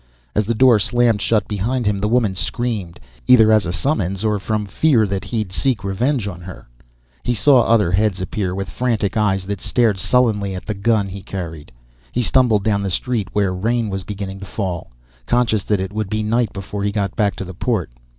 As the door slammed shut behind him, the woman screamed, either as a summons or from fear that he'd seek revenge on her. He saw other heads appear, with frantic eyes that stared sullenly at the gun he carried. He stumbled down the street, where rain was beginning to fall, conscious that it would be night before he got back to the port.